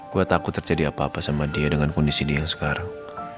gue takut terjadi apa apa sama dia dengan kondisi dia yang sekarang